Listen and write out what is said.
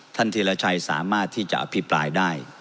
ธีรชัยสามารถที่จะอภิปรายได้